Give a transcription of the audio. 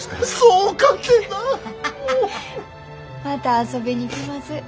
また遊びに来ます。